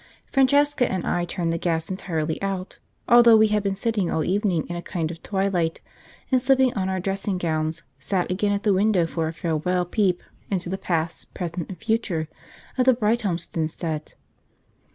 Francesca and I turned the gas entirely out, although we had been sitting all the evening in a kind of twilight, and slipping on our dressing gowns sat again at the window for a farewell peep into the past, present, and future of the 'Brighthelmston set.'